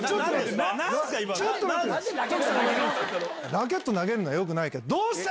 ラケット投げるのはよくないけど、どうした？